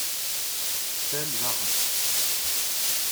Ṭṭal daɣen!